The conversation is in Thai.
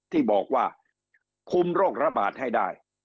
ที่บอกว่าคุมโรคระบาดให้ได้